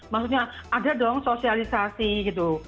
maksudnya ada dong sosialisasi gitu